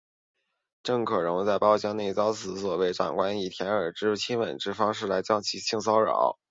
郑可荣在包厢内遭此所谓长官以舔耳及亲吻之方式对其性骚扰。